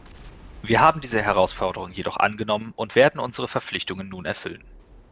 Wir haben diese Herausforderung jedoch angenommen und werden unsere Verpflichtungen nun erfüllen.